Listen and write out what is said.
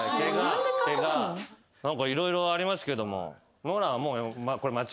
何か色々ありますけども。